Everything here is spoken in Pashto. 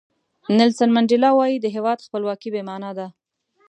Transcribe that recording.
نیلسن منډیلا وایي د هیواد خپلواکي بې معنا ده.